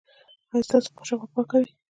ایا ستاسو کاشوغه به پاکه وي؟